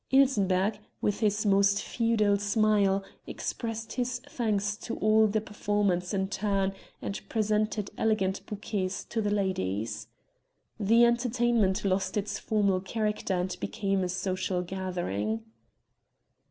Ilsenbergh, with his most feudal smile, expressed his thanks to all the performers in turn and presented elegant bouquets to the ladies. The entertainment lost its formal character and became a social gathering.